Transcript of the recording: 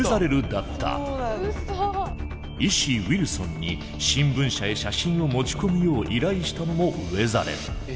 医師ウィルソンに新聞社へ写真を持ち込むよう依頼したのもウェザレル。